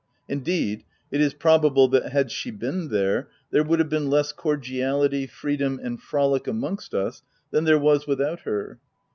Indeed, it is pro bable that, had she been there, there would have been less cordiality, freedom, and frolic amongst us than there was without her.